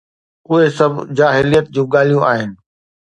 اهي سڀ جاهليت جون ڳالهيون آهن